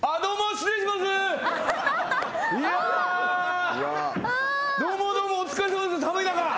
いやどうもどうもお疲れさまです寒い中。